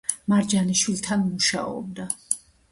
ზდანევიჩი თეატრში გამოჩენილ რეჟისორ კოტე მარჯანიშვილთან მუშაობდა.